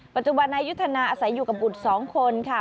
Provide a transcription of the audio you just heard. ปัจจุบันนายุทธนาอาศัยอยู่กับบุตร๒คนค่ะ